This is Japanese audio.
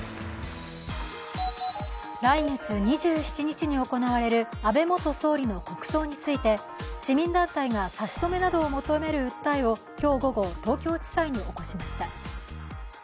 来月２７日に行われる安倍元総理の国葬について市民団体が差し止めなどを求める訴えを今日午後、東京地裁に起こしました。